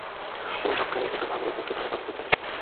উভয়ে ঝগড়াও হইত, ভাবও হইত, কেহ কাহাকেও পরাস্ত করিতে পারিত না।